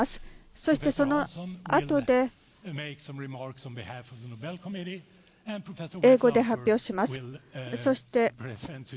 そしてそのあとで英語で発表します。